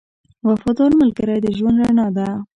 • وفادار ملګری د ژوند رڼا ده.